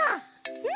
うん！